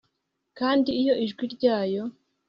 Kandi iyo ijwi ryayo